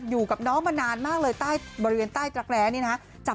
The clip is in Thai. อยู่กับน้องมานานมากเลยใต้บริเวณใต้ตระแร้นี่นะ